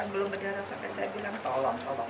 belum berdarah sampai saya bilang tolong tolong